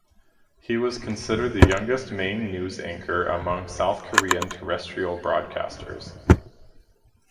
He was considered the youngest main news anchor among South Korean terrestrial broadcasters.